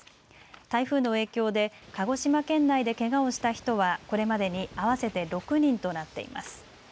台風の影響で鹿児島県内でけがをした人は、これまでに合わせて６人となっています。